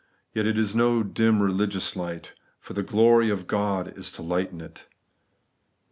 Yet it is no dim religious light : for the glory of God is to lighten it (Eev.